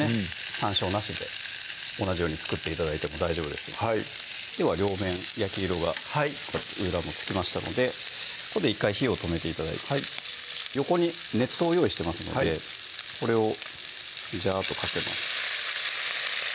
山椒なしで同じように作って頂いても大丈夫ですでは両面焼き色が裏もつきましたのでここで１回火を止めて頂いて横に熱湯を用意してますのでこれをジャーッとかけます